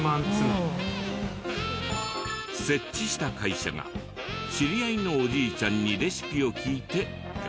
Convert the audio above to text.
設置した会社が知り合いのおじいちゃんにレシピを聞いてガチャガチャに。